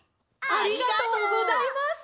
ありがとうございます。